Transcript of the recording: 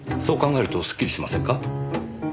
そう考えるとスッキリしませんか？